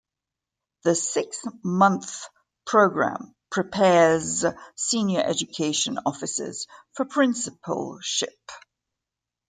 The six-month programme prepares senior education officers for principalship.